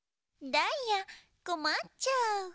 ダイヤこまっちゃう。